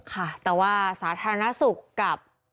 ค่ะแต่ว่าสาธารณสุขกับ